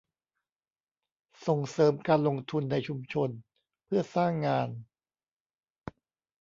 ส่งเสริมการลงทุนในชุมชนเพื่อสร้างงาน